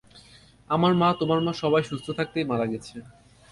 আমার মা, তোমার মা, সবাই সুস্থ থাকতেই মারা গেছে।